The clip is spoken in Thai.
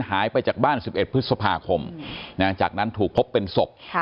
หายไปจากบ้าน๑๑พฤษภาคมจากนั้นถูกพบเป็นศพ